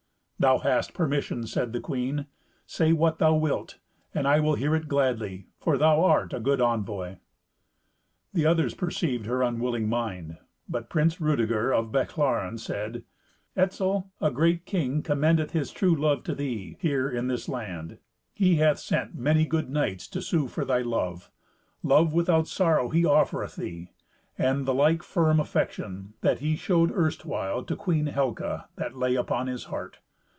"Thou hast permission," said the queen; "say what thou wilt, and I will hear it gladly, for thou art a good envoy." The others perceived her unwilling mind, but Prince Rudeger of Bechlaren said, "Etzel, a great king, commendeth his true love to thee, here in this land. He hath sent many good knights to sue for thy love. Love without sorrow he offereth thee, and the like firm affection that he showed erstwhile to Queen Helca, that lay upon his heart.